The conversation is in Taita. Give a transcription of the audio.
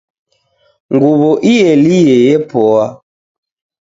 Nguwo ielie yepoa